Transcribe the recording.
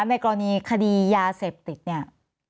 ในกรณีคดียาเสพติดเนี่ย